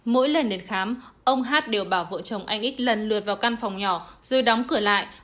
mỗi lần đến khám ông hát đều bảo vợ chồng anh ít lần lượt vào căn phòng nhỏ rồi đóng cửa lại